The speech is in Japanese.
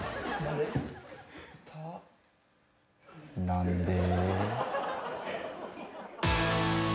何で？